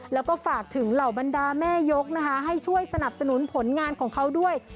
แล้วก็ฝากถึงเหล่าบรรดาแม่ยกนะคะให้ช่วยสนับสนุนผลงานของเขาด้วย